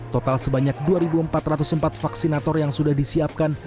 total sebanyak dua empat ratus empat vaksinator yang sudah disiapkan